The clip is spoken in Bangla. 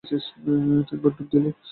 তিনবার ডুব দিলে।